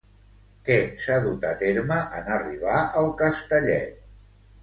Què s'ha dut a terme en arribar al Castellet?